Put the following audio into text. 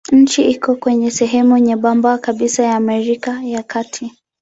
Nchi iko kwenye sehemu nyembamba kabisa ya Amerika ya Kati.